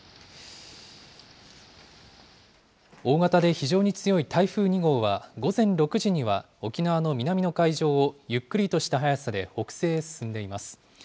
大型で非常に強い台風２号は、午前６時には沖縄の南の海上をゆっくりとした速さで北西へ進んでいます。